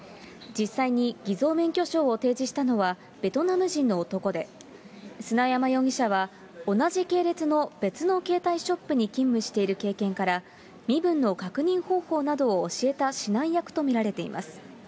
実際に偽造免許証を提示したのは、ベトナム人の男で、砂山容疑者は同じ系列の別の携帯ショップに勤務している経験から、身分の確認方法などを教えた指南役と見られています。